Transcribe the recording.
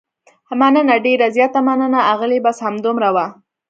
مننه، ډېره زیاته مننه، اغلې، بس همدومره و.